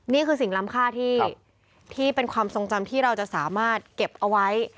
นี่คือสิ่งล้ำค่าที่เป็นความทรงจำที่เราจะสามารถเก็บเอาไว้